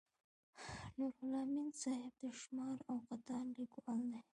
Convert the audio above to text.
نورالامین صاحب د شمار او قطار لیکوال دی.